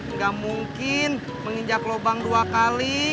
nggak mungkin menginjak lubang dua kali